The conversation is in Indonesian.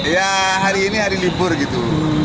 ya hari ini hari libur gitu